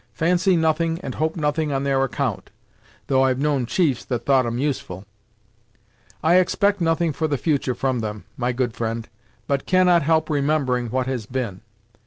"Fancy nothing and hope nothing on their account, though I've known chiefs that thought 'em useful." "I expect nothing for the future from them, my good friend, but cannot help remembering what has been.